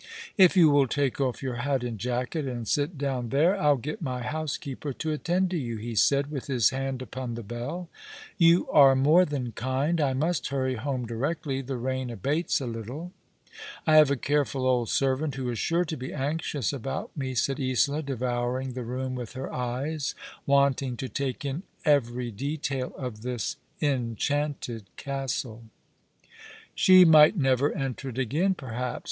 " If you will take off your hat and jacket, and sit down there, I'll get my housekeeper to attend to you," ho said, with his hand upon the bell. " You are more than kind. I must hurry home directly the rain abates a little. I have a careful old servant who is sure to be anxious about me," said Isola, devouring the room with her eyes, wanting to take in every detail of this enchanted castle. She might never enter it again, perhaps.